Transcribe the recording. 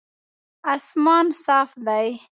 اسمان صاف دی